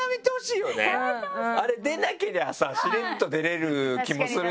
あれ出なけりゃさしれっと出れる気もするじゃん。